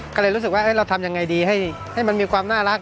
ก็เลยรู้สึกว่าเราทำยังไงดีให้มันมีความน่ารัก